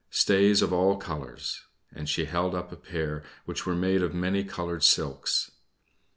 "Stays of all colors." And she held up a pair which were made of many colored silks.